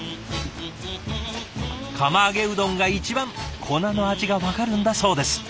釜揚げうどんが一番粉の味が分かるんだそうです。